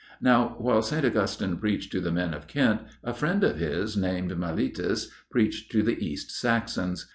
Now, while St. Augustine preached to the men of Kent, a friend of his, named Milletus, preached to the East Saxons.